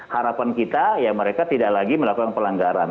harapan kita ya mereka tidak lagi melakukan pelanggaran